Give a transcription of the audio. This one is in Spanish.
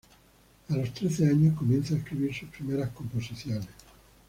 A los trece años comienza a escribir sus primeras composiciones.